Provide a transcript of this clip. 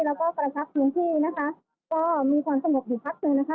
แล้วก็ปรับทรัพย์ลิงที่นะคะก็มีความสมมุติอยู่พักหนึ่งนะคะ